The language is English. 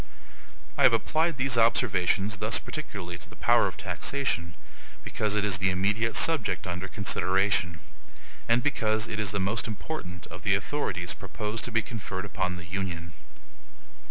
I have applied these observations thus particularly to the power of taxation, because it is the immediate subject under consideration, and because it is the most important of the authorities proposed to be conferred upon the Union.